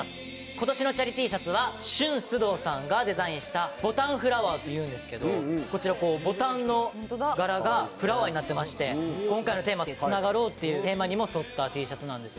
今年のチャリＴシャツはＳＨＵＮＳＵＤＯさんがデザインしたボタンフラワーというんですけどこちらボタンの柄がフラワーになってまして今回のテーマに「つながろう」っていうテーマにも沿ったＴシャツなんです。